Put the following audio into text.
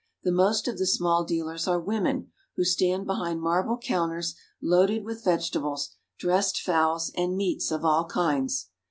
The most of the small dealers are women who stand behind marble coun ters, loaded with vegetables, dressed fowls, and meats of all kinds.